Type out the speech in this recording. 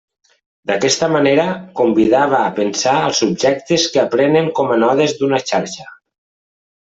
D'aquesta manera, convidava a pensar als subjectes que aprenen com a nodes d'una xarxa.